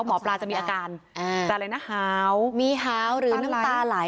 หมอปลาจะมีอาการอะไรนะหาวมีหาวหรือน้ำตาไหล